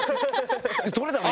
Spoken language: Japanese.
とれたの？